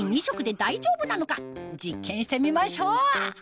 実験してみましょう！